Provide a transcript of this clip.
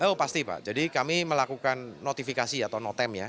oh pasti pak jadi kami melakukan notifikasi atau notem ya